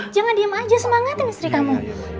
jangan diem aja semangatin istri kamu